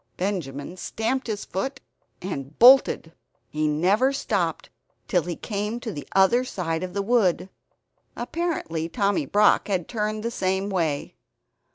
Benjamin stamped his foot, and bolted. He never stopped till he came to the other side of the wood. Apparently Tommy Brock had turned the same way.